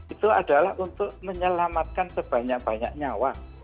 itu adalah untuk menyelamatkan sebanyak banyak nyawa